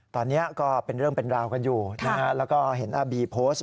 ตอนนี้ก็เป็นเรื่องเป็นราวกันอยู่นะฮะแล้วก็เห็นอาบีโพสต์